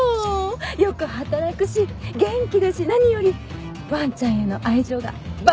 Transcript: よく働くし元気だし何よりわんちゃんへの愛情が抜群でしょう？